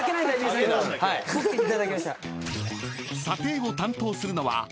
査定を担当するのは。